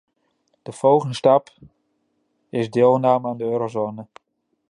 De volgende stap isdeelname aan de eurozone.